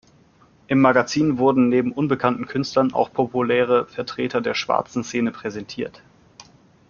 Im Magazin wurden neben unbekannten Künstlern auch populäre Vertreter der Schwarzen Szene präsentiert.